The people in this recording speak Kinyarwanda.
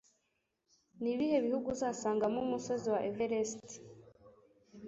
Nibihe bihugu Uzasangamo umusozi wa Everest